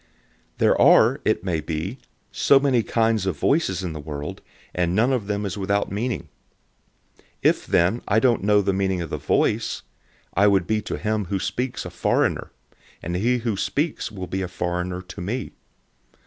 014:010 There are, it may be, so many kinds of sounds in the world, and none of them is without meaning. 014:011 If then I don't know the meaning of the sound, I would be to him who speaks a foreigner, and he who speaks would be a foreigner to me.